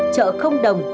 chợ không đồng